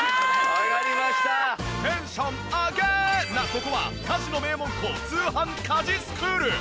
ここは家事の名門校通販☆家事スクール！